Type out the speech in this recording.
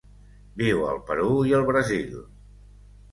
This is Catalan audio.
Viu al Perú i el Brasil.